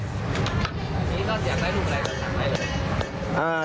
อันนี้ก็อยากได้รูปอะไรเราทำอะไรเลย